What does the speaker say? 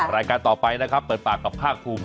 รายการต่อไปนะครับเปิดปากกับภาคภูมิ